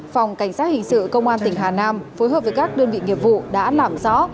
phòng cảnh sát hình sự công an tỉnh hà nam phối hợp với các đơn vị nghiệp vụ đã làm rõ